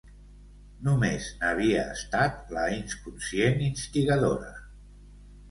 Només n'havia estat la inconscient instigadora.